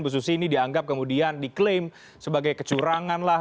bu susi ini dianggap kemudian diklaim sebagai kecurangan lah